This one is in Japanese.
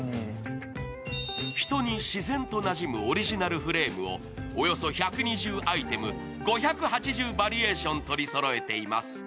人に自然となじむオリジナルフレームをおよそ１２０アイテム、５８０バリエーション取りそろえています。